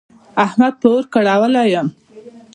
احمد پر اور کړولی يم.